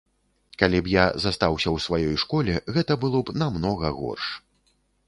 Калі б я застаўся ў сваёй школе, гэта было б намнога горш.